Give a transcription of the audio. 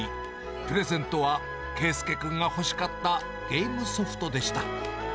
プレゼントは佳祐君が欲しかったゲームソフトでした。